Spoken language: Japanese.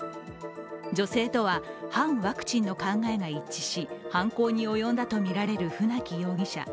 女性とは反ワクチンの考えが一致し犯行に及んだとみられる船木容疑者。